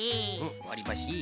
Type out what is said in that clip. わりばし。